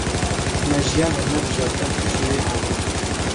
Me jiyan hilnebijart, em tûşî wê hatin.